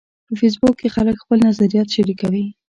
په فېسبوک کې خلک خپل نظریات شریکوي